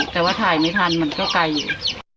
แต่ว่าถ่ายไม่ทันมันก็ไกลอยู่